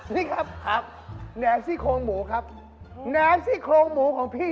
นี่ครับแนนซี่โคโหมวครับแนนซี่โคโหมวของพี่